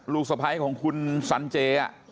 ลูกสะพ้าของคุณสันเจ